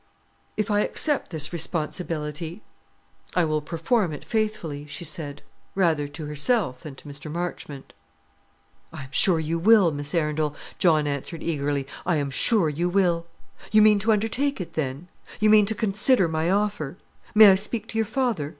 "If I accept this responsibility, I will perform it faithfully," she said, rather to herself than to Mr. Marchmont. "I am sure you will, Miss Arundel," John answered eagerly; "I am sure you will. You mean to undertake it, then? you mean to consider my offer? May I speak to your father?